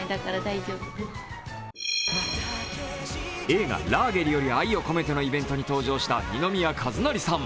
映画「ラーゲリより愛を込めて」のイベントに登場した二宮和也さん。